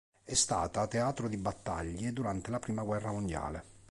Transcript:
È stata teatro di battaglie durante la prima guerra mondiale.